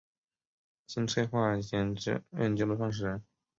金催化研究的创始人。